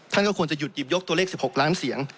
ท่านก็ควรจะหยุดหยิบยกตัวเลข๑๖ล้านเสียง